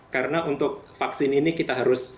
karena untuk vaksin ini kita harus